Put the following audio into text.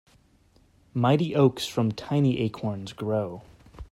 Mighty oaks from tiny acorns grow.